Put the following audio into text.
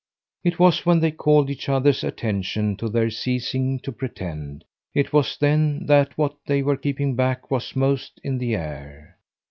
It was when they called each other's attention to their ceasing to pretend, it was then that what they were keeping back was most in the air.